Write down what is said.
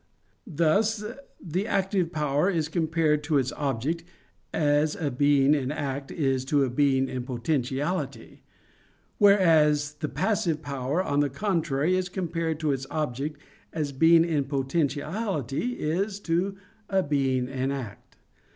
Thus the active power is compared to its object as a being in act is to a being in potentiality; whereas the passive power, on the contrary, is compared to its object as being in potentiality is to a being in act.